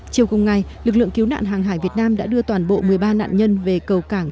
chiều cùng ngày lực lượng cứu nạn hàng hải việt nam đã đưa toàn bộ một mươi ba nạn nhân về cầu cảng